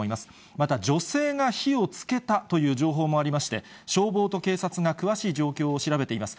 また女性が火をつけたという情報もありまして、消防と警察が詳しい状況を調べています。